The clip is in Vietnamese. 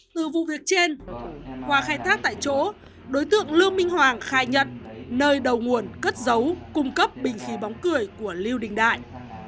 từ vụ việc trên qua khai thác tại chỗ đối tượng lương minh hoàng khai nhận nơi đầu nguồn cất giấu cung cấp bình khí bóng cười của lưu đình đại